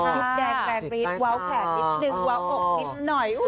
ชุดแดงแบกรีดเว้าแขกนิดนึงเว้าอกนิดหน่อย